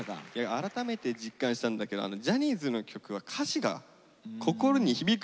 改めて実感したんだけどジャニーズの曲は歌詞が心に響くね。